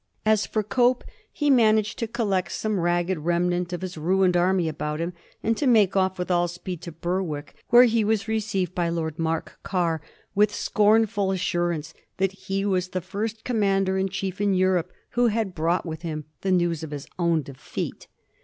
As for Cope, he managed to col lect some ragged remnant of bis ruined army about him, and to make off with all speed to Berwick, where he was received by Lord Mark Ker with the scornful assurance that he was the first commander in chief in Europe who had brought with him the news of his own defeat.